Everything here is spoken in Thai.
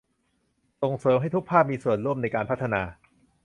ส่งเสริมให้ทุกภาคส่วนมีส่วนร่วมในการพัฒนา